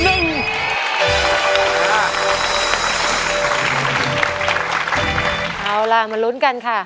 เอาล่ะมาลุ้นกันค่ะ